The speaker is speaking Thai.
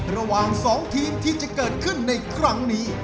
ระหว่าง๒ทีมที่จะเกิดขึ้นในครั้งนี้